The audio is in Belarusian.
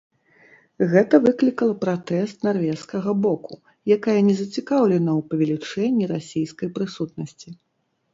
Гэта выклікала пратэст нарвежскага боку, якая не зацікаўлена ў павелічэнні расійскай прысутнасці.